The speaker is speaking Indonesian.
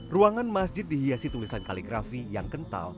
ruangan masjid dihiasi tulisan kaligrafi yang kental